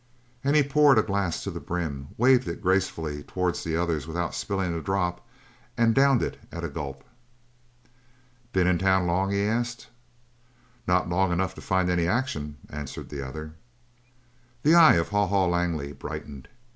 And he poured a glass to the brim, waved it gracefully towards the others without spilling a drop, and downed it at a gulp. "Ben in town long?" he asked. "Not long enough to find any action," answered the other. The eye of Haw Haw Langley brightened.